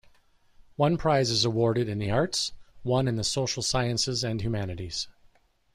One prize is awarded in the arts, one in the social sciences and humanities.